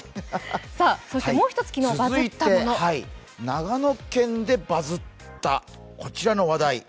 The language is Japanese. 続いて長野県でバズったこちらの話題。